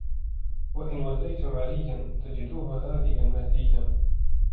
وَإِنْ وَلَّيْتُمْ عَلِيًّا تَجِدُوهُ هَادِيًا مَهْدِيًّا